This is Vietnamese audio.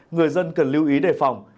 người dân cần lưu ý đề phong